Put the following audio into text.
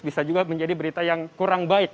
bisa juga menjadi berita yang kurang baik